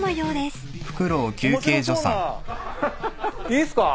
いいっすか？